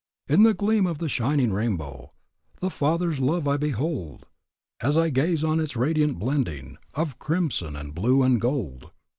"In the gleam of the shining rainbow The Father's Love I behold, As I gaze on its radiant blending Of crimson and blue and gold.